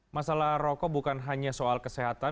masalah rokok bukan hanya soal kesehatan